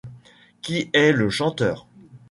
Qui est le chanteur ?